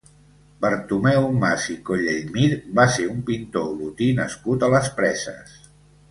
Bartomeu Mas i Collellmir va ser un pintor olotí nascut a les Preses.